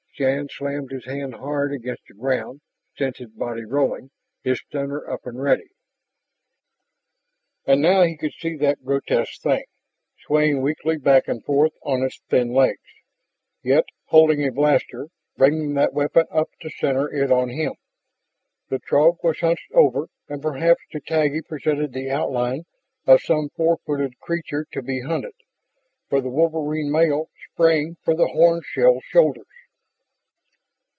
Shann slammed his hand hard against the ground, sent his body rolling, his stunner up and ready. And now he could see that grotesque thing, swaying weakly back and forth on its thin legs, yet holding a blaster, bringing that weapon up to center it on him. The Throg was hunched over and perhaps to Taggi presented the outline of some four footed creature to be hunted. For the wolverine male sprang for the horn shelled shoulders.